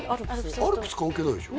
アルプス関係ないでしょ？